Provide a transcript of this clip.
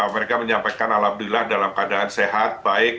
mereka menyampaikan alhamdulillah dalam keadaan sehat baik